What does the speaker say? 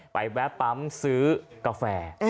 แวะปั๊มซื้อกาแฟ